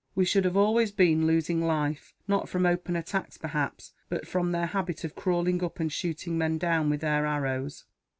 We should have been always losing life not from open attacks, perhaps, but from their habit of crawling up, and shooting men down with their arrows."